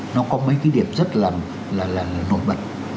nó có mấy cái điểm rất là nổi bật